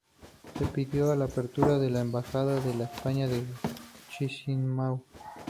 Se pidió la apertura de la Embajada de España en Chisinau.